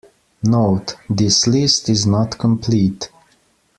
Note: This list is not complete.